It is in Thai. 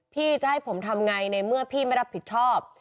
พี่จะให้ผมทำไงในเมื่อพี่ไม่รับผิดชอบ